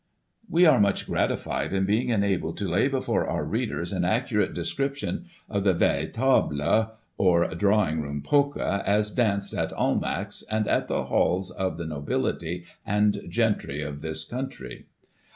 We are much gratified in being enabled to lay before our readers an accurate description of the veritable^ or Drawing room Polka, as danced at Almack's, and at the halls of the nobility and gentry of this country.